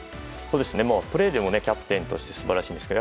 プレーでもキャプテンとして素晴らしいんですけど